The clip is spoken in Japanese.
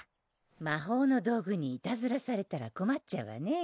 魔法の道具にいたずらされたらこまっちゃうわね